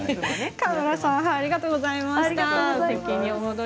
川村さんありがとうございました。